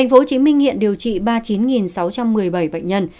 tp hcm hiện điều trị ba mươi chín sáu trăm một mươi bảy bệnh nhân